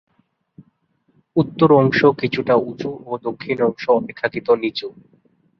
উত্তর অংশ কিছুটা উঁচু ও দক্ষিণ অংশ অপেক্ষাকৃত নিচু।